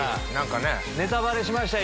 ネタバレしましたよ